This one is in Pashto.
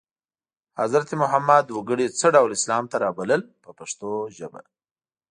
حضرت محمد وګړي څه ډول اسلام ته رابلل په پښتو ژبه.